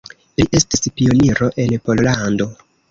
Li estis pioniro en Pollando.